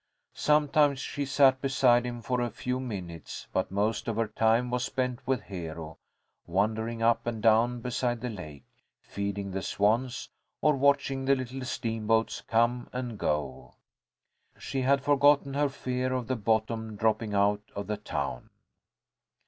Sometimes she sat beside him for a few minutes, but most of her time was spent with Hero, wandering up and down beside the lake, feeding the swans or watching the little steamboats come and go. She had forgotten her fear of the bottom dropping out of the town.